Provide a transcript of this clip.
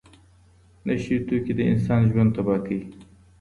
نشه یي توکي د انسان ژوند تباه کوي.